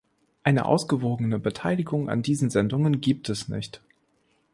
Eine ausgewogene Beteiligung an diesen Sendungen gibt es nicht.